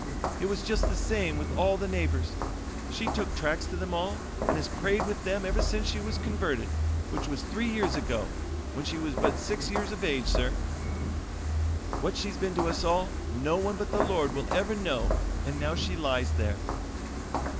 It was just the same with all the neighbors. She took tracts to them all and has prayed with them ever since she was converted, which was three years ago, when she was but six years of age, sir. What she's been to us all no one but the Lord will ever know and now she lies there."